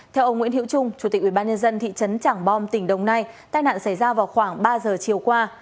theo ông nguyễn hiễu trung chủ tịch ubnd thị trấn trảng bom tỉnh đồng nai tai nạn xảy ra vào khoảng ba giờ chiều qua